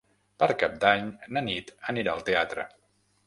Per Cap d'Any na Nit anirà al teatre.